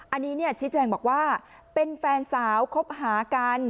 อันนี้ชี้แจงบอกว่าเป็นแฟนสาวคบหากัน